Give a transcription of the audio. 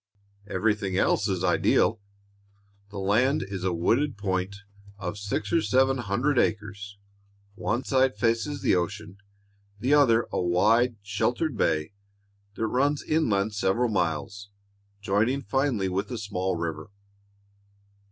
Everything else is ideal. The land is a wooded point of six or seven hundred acres. One side faces the ocean, the other a wide, sheltered bay that runs inland several miles, joining finally with a small river.